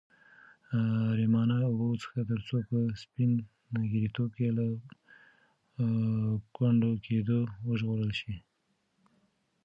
پرېمانه اوبه وڅښه ترڅو په سپین ږیرتوب کې له ګونډه کېدو وژغورل شې.